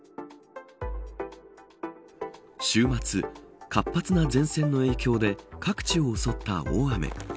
週末、活発な前線の影響で各地を襲った大雨。